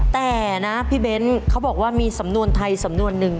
แต่นะพี่เบ้นเขาบอกว่ามีสำนวนไทยสำนวนหนึ่ง